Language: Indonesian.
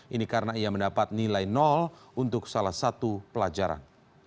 ini karena ia mendapat nilai nol untuk salah satu pelajaran